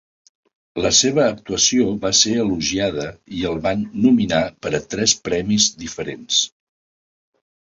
La seva actuació va ser elogiada i el van nominar per a tres premis diferents.